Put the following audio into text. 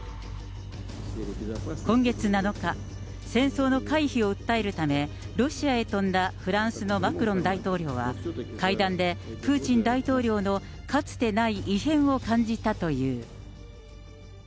今月７日、戦争の回避を訴えるため、ロシアへ飛んだフランスのマクロン大統領は、会談でプーチン大統領のかつてない異変を感じたという。